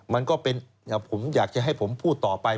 มันก็เป็นผมอยากจะให้ผมพูดต่อไป